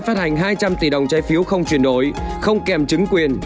phát hành hai trăm linh tỷ đồng trái phiếu không chuyển đổi không kèm chứng quyền